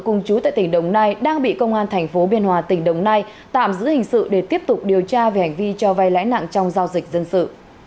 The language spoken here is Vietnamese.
công an tp biên hòa tỉnh đồng nai đang bị công an tp biên hòa tỉnh đồng nai tạm giữ hình sự để tiếp tục điều tra về hành vi cho vay lãi nặng trong giao dịch dân sự